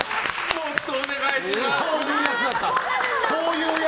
もっとお願いします。